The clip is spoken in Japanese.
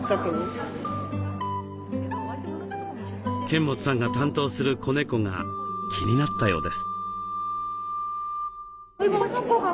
剱持さんが担当する子猫が気になったようです。